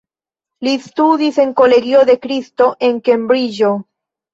Li studis en Kolegio de kristo, en Kembriĝo.